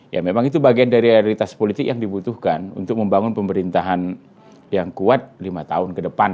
ya memang itu bagian dari realitas politik yang dibutuhkan untuk membangun pemerintahan yang kuat lima tahun ke depan